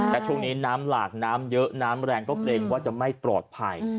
และช่วงนี้น้ำหลากน้ำเยอะน้ำแรงก็เกรงว่าจะไม่ปลอดภัย